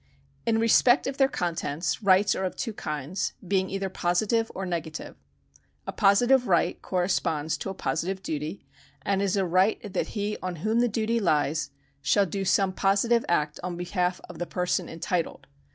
In respect of their contents, rights are of two kinds, being either positive or negative. A positive right corresponds to a positive duty, and is a right that he on whom the duty lies shall do some positive act on behalf of the person entitled.